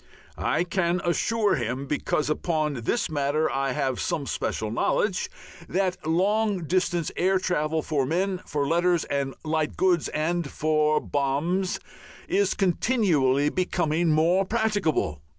I can assure him, because upon this matter I have some special knowledge, that long distance air travel for men, for letters and light goods and for bombs, is continually becoming more practicable.